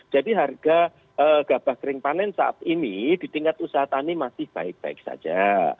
jadi harga gabah kering panen saat ini di tingkat usaha tani masih baik baik saja